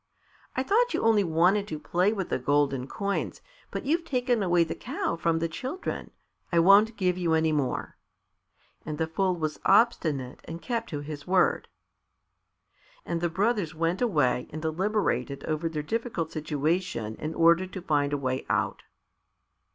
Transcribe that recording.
I thought you only wanted to play with the golden coins, but you've taken away the cow from the children; I won't give you any more." And the Fool was obstinate and kept to his word. And the brothers went away and deliberated over their difficult situation in order to find a way out.